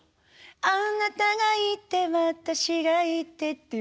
「あなたがいて私がいて」っていう。